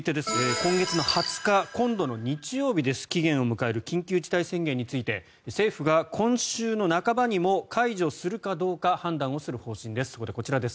今月の２０日、今度の日曜日です期限を迎える緊急事態宣言について政府が今週の半ばにも解除するかどうか判断する方針です。